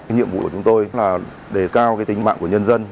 nhiệm vụ của chúng tôi là để cao cái tính mạng của nhân dân